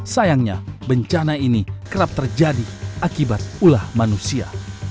sayangnya bencana ini kerap terjadi akibat ulah manusia